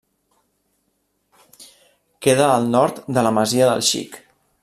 Queda al nord de la Masia del Xic.